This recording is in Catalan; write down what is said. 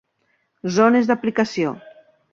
Zones d'aplicació.